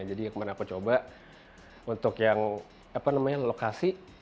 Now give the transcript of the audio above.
jadi kemarin aku coba untuk yang apa namanya lokasi